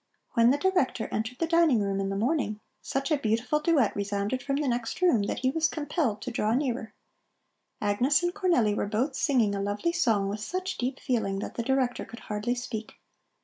When the Director entered the dining room in the morning, such a beautiful duet resounded from the next room that he was compelled to draw nearer. Agnes and Cornelli were both singing a lovely song with such deep feeling that the Director could hardly speak.